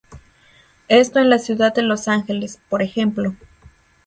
Esto en la ciudad de Los Ángeles, por ejemplo.